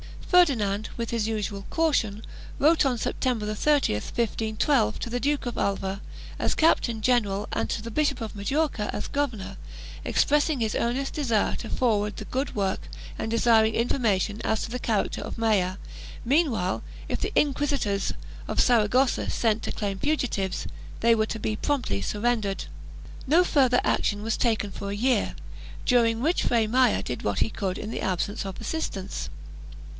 Ferdinand, with his usual caution, wrote on September 30, 1512, to the Duke of Alva, as captain general, and to the Bishop of Majorca as governor, expressing his earnest desire to forward the good work and desiring infor mation as to the character of Maya; meanwhile, if the inquisitors of Saragossa sent to claim fugitives, they were to be promptly surrendered. No further action was taken for a year, during which Fray Maya did what he could in the absence of assistance.